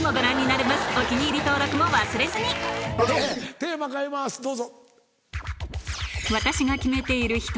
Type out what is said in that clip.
テーマ変えますどうぞ。